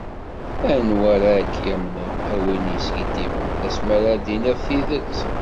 Anwa ara ak-yamnen, a win yeskiddiben, asmi ara d-tiniḍ tidet.